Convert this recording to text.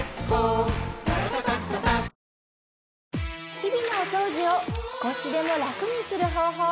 日々のお掃除を少しでも楽にする方法